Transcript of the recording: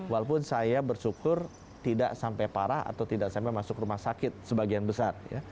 walaupun saya bersyukur tidak sampai parah atau tidak sampai masuk rumah sakit sebagian besar